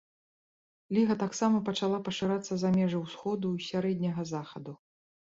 Ліга таксама пачала пашырацца за межы ўсходу і сярэдняга захаду.